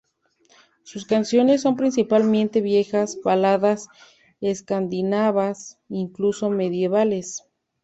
Sus canciones son principalmente viejas baladas escandinavas, incluso medievales.